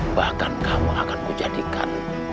bahkan kamu akan ku jadikan